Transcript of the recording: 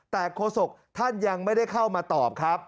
แต่โฆษกท่านยังไม่ได้เข้ามาตอบครับ